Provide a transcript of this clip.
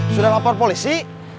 sudah lapor polisi